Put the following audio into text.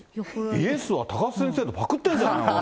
イエスは高須先生のパクってんじゃないの？